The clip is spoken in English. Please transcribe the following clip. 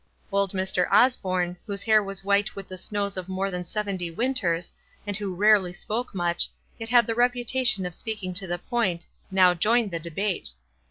Old Mr. Osborne, whose hair was white with the snows of more than seventy winters, and who rarely spoke much, yet had the reputation of speaking to the point, now joined the debate.